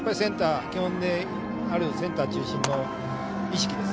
基本であるセンター中心の意識